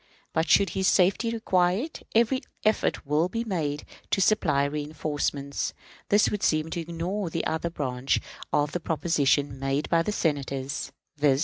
But, should his safety require it, every effort will be made to supply reënforcements." This would seem to ignore the other branch of the proposition made by the Senators, viz.